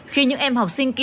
khi những em học sinh kia